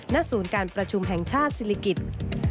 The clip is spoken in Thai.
ณศูนย์การประชุมแห่งชาติศิริกิจ